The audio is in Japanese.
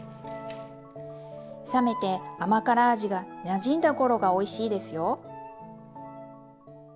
冷めて甘辛味がなじんだ頃がおいしいですよ。